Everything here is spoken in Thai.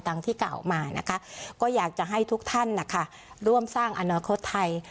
ที่กล่าวมานะคะก็อยากจะให้ทุกท่านนะคะร่วมสร้างอนาคตไทย